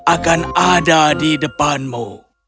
akan ada di depanmu